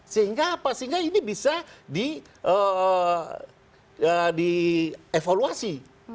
sehingga apa sehingga ini bisa dievaluasi